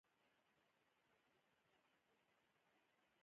او اوږدې شي